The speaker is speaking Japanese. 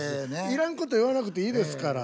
いらんこと言わなくていいですから。